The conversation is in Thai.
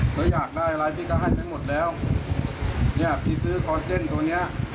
อยากได้อะไรพี่ก็ให้ไปหมดแล้วเนี่ยพี่ซื้อคอนเจนตัวเนี้ย